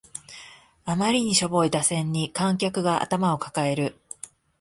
あまりにしょぼい打線に観客が頭を抱える